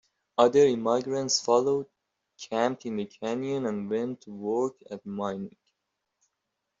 Other emigrants followed, camped in the canyon and went to work at mining.